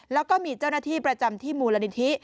แล้วก็มีเจ้าหน้าที่ประจำที่มูลนิธิ